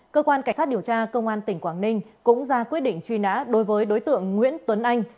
cơ quan cảnh sát điều tra công an tỉnh quảng ninh cũng ra quyết định truy nã đối với đối tượng nguyễn tuấn anh